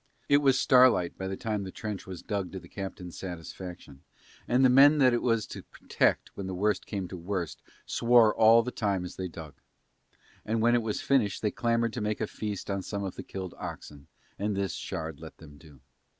It was starlight by the time the trench was dug to the captain's satisfaction and the men that it was to protect when the worst came to the worst swore all the time as they dug. And when it was finished they clamoured to make a feast on some of the killed oxen, and this Shard let them do.